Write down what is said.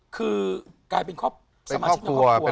คือกลายเป็นครอบครัว